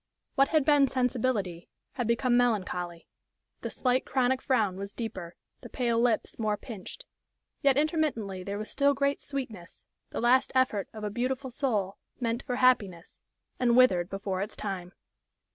What had been sensibility had become melancholy; the slight, chronic frown was deeper, the pale lips more pinched. Yet intermittently there was still great sweetness, the last effort of a "beautiful soul" meant for happiness, and withered before its time.